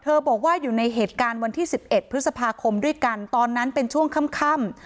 บอกว่าอยู่ในเหตุการณ์วันที่๑๑พฤษภาคมด้วยกันตอนนั้นเป็นช่วงค่ำ